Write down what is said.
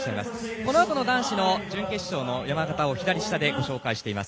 このあとの男子の準決勝の山型を左下でご紹介しています。